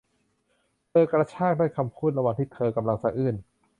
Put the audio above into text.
เธอกระชากด้วยคำพูดระหว่างที่เธอกำลังสะอื้น